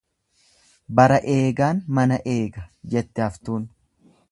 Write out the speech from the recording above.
Bara eegaan mana eega jette haftuun.